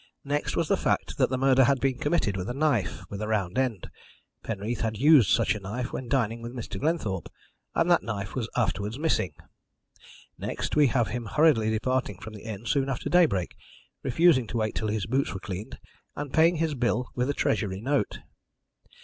Next was the fact that the murder had been committed with a knife with a round end. Penreath had used such a knife when dining with Mr. Glenthorpe, and that knife was afterwards missing. Next, we have him hurriedly departing from the inn soon after daybreak, refusing to wait till his boots were cleaned, and paying his bill with a Treasury note.